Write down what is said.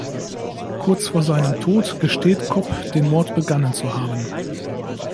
Kurz vor seinem Tod gesteht Cobb, den Mord begangen zu haben.